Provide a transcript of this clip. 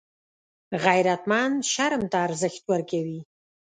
غیرتمند شرم ته ارزښت ورکوي